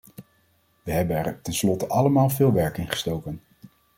We hebben er tenslotte allemaal veel werk in gestoken.